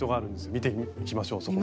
見ていきましょうそこも。